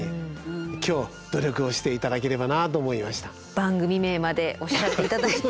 番組名までおっしゃって頂いて。